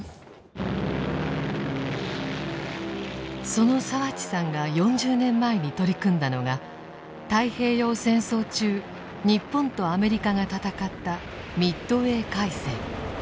その澤地さんが４０年前に取り組んだのが太平洋戦争中日本とアメリカが戦ったミッドウェー海戦。